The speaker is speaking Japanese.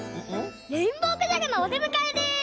レインボーくじゃくのおでむかえです！